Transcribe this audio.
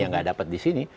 yang tidak dapat di sini